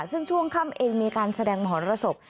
ซึ่งช่วงคั่มอิงมีการแสดงหมอนรสบ